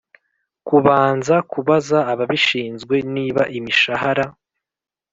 kubanza kubaza ababishinzwe niba imishahara